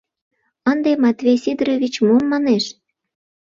Ынде Матвей Сидорович мом манеш?